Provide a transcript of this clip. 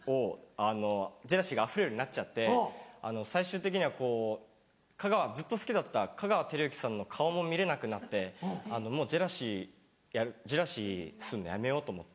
あのジェラシーがあふれるようになっちゃって最終的にはこうずっと好きだった香川照之さんの顔も見れなくなってもうジェラシーやるジェラシーすんのやめようと思って。